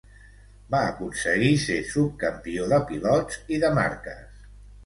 Va aconseguir ser subcampió de pilots i de marques.